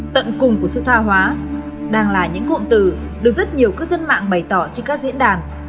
tận cùng của sự tha hóa đang là những cụm từ được rất nhiều cư dân mạng bày tỏ trên các diễn đàn